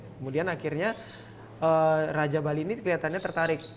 kemudian akhirnya raja bali ini kelihatannya tertarik